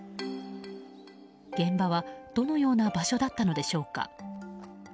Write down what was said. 現場は、どのような場所だったのでしょうか。